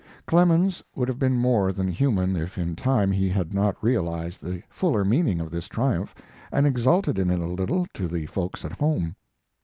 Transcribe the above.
Clemens would have been more than human if in time he had not realized the fuller meaning of this triumph, and exulted in it a little to the folks at home.